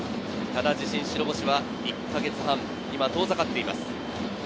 ただ自身、白星は１か月半、今遠ざかっています。